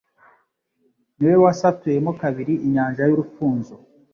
Ni we wasatuyemo kabiri inyanja y’Urufunzo